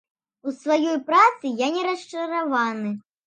У сваёй працы я не расчараваны.